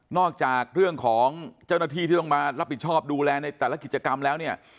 จากเรื่องของเจ้าหน้าที่ที่ต้องมารับผิดชอบดูแลในแต่ละกิจกรรมแล้วเนี่ย